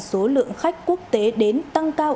số lượng khách quốc tế đến tăng cao